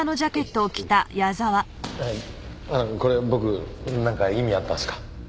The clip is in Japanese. これ僕なんか意味あったんですか？